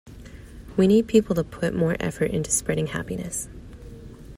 We need people to put more effort into spreading happiness.